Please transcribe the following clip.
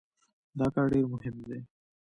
دا کار ډېر مهم دی.